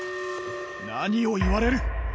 何を言われる！